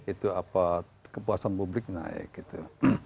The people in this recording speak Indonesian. itu apa kepuasan publik naik gitu